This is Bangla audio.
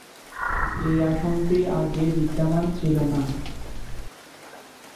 এই আসনটি আগে বিদ্যমান ছিল না।